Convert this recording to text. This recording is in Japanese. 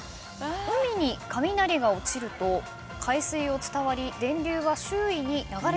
海に雷が落ちると海水を伝わり電流は周囲に流れていきます。